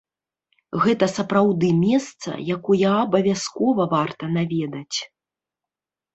Гэта сапраўды месца, якое абавязкова варта наведаць.